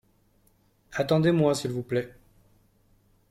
Attendez-moi s’il vous plait.